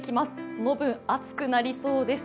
その分、暑くなりそうです。